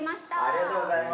ありがとうございます。